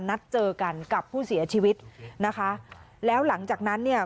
นัดเจอกันกับผู้เสียชีวิตนะคะแล้วหลังจากนั้นเนี่ย